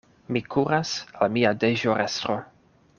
Mi kuras al mia deĵorestro.